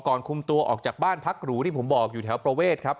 คุมตัวออกจากบ้านพักหรูที่ผมบอกอยู่แถวประเวทครับ